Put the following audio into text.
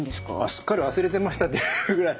すっかり忘れてましたっていうぐらい。